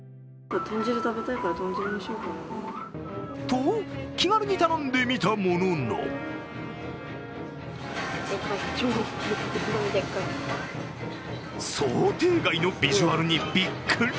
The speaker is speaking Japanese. と、気軽に頼んでみたものの想定外のビジュアルにびっくり！